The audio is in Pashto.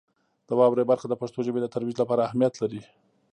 د واورئ برخه د پښتو ژبې د ترویج لپاره اهمیت لري.